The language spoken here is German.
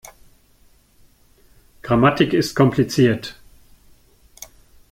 Grammatik ist kompliziert.